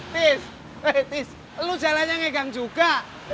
tis tis lo jalannya ngagang juga